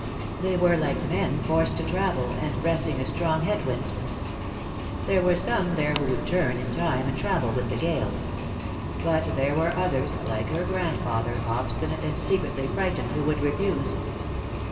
They were like men forced to travel, and breasting a strong head wind. There were some there who would turn, in time, and travel with the gale. But there were others like her grandfather, obstinate and secretly frightened, who would refuse.